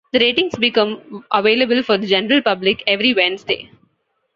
The ratings become available for the general public every Wednesday.